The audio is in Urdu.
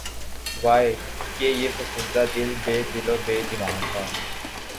واے! کہ یہ فسردہ دل‘ بے دل و بے دماغ ہے